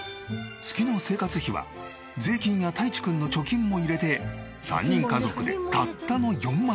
月の生活費は税金やたいち君の貯金も入れて３人家族でたったの４万円。